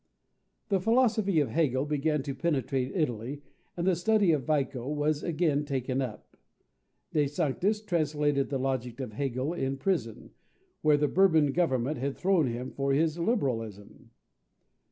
The philosophy of Hegel began to penetrate Italy, and the study of Vico was again taken up. De Sanctis translated the Logic of Hegel in prison, where the Bourbon Government had thrown him for his liberalism.